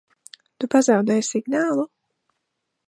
Tu pazaudēji signālu?